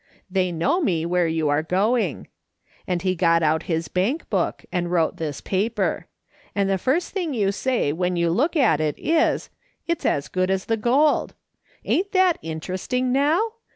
' They know me where you are going/ and he got out his bank book, and wrote this paper. And the first tiling you say when you look at it is, ' It's as good as the gold.' Ain't that interesting now